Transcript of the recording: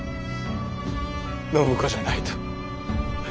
暢子じゃないと駄目。